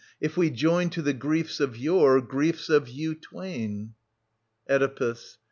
If we join to the griefs of yore Griefs of you twain. Oedipus.